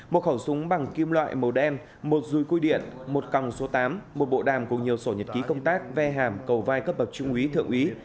một khẩu súng bằng kim loại màu đen một rùi cui điện một còng số tám một bộ đàm cùng nhiều sổ nhật ký công tác ve hàm cầu vai cấp bậc trung úy thượng úy